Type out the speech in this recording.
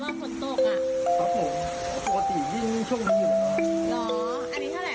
อันนี้หนูให้พี่นะให้หมดเลย